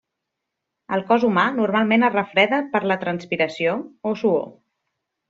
El cos humà normalment es refreda per la transpiració, o suor.